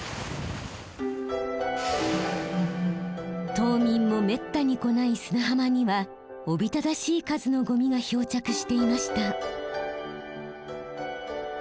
島民もめったに来ない砂浜にはおびただしい数のゴミが漂着していました。